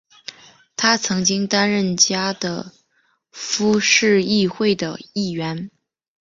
他曾经担任加的夫市议会的议员。